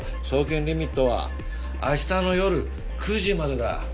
送検のリミットは明日の夜９時までだ。